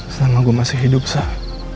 selama gue masih hidup sah